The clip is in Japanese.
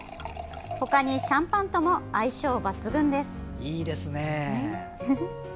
ほかに、シャンパンとも相性抜群です。